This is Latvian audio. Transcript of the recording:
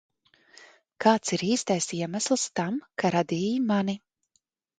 Kāds ir īstais iemesls tam, ka radīji mani?